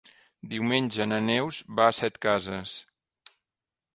Diumenge na Neus va a Setcases.